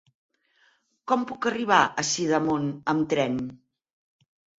Com puc arribar a Sidamon amb tren?